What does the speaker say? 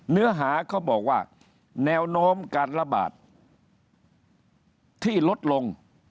เนื้อหาเขาบอกว่าแนวโน้มการระบาดที่ลดลง